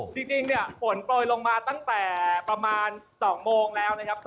จริงเนี่ยฝนโปรยลงมาตั้งแต่ประมาณ๒โมงแล้วนะครับ